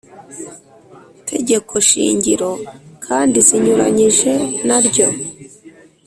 tegekoshingiro kandi zinyuranyije na ryo